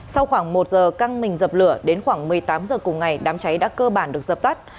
sau khoảng một giờ căng mình dập lửa đến khoảng một mươi tám h cùng ngày đám cháy đã cơ bản được dập tắt